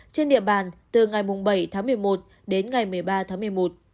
trên địa bàn từ ngày bảy tháng một mươi một đến ngày một mươi ba tháng một mươi một